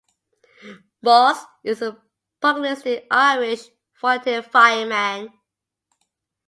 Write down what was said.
Mose is a pugilistic Irish volunteer fireman.